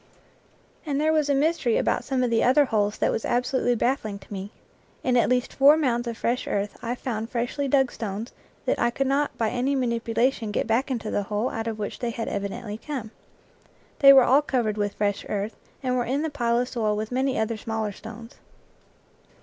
And there was a mystery about some of the other holes that was absolutely baffling to me. In at least four mounds of fresh earth I found freshly dug stones that I could not by any manipulation get back into the hole out of which they had evidently come. They were all covered with fresh earth, and were in the pile of soil with many other smaller stones.